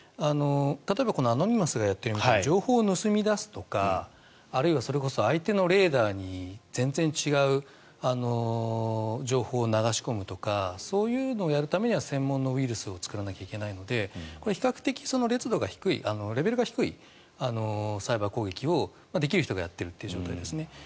例えばアノニマスがやっているような情報を盗み出すとか、あるいはそれこそ相手のレーダーに全然違う情報を流し込むとかそういうのをやるためには専門のウイルスを作らないといけないのでこれは比較的レベルが低いサイバー攻撃をできる人がやっているという状態ですね。